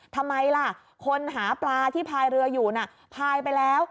ทำไมล่ะคนหาปลาที่พายเรืออยู่น่ะพายไปแล้ว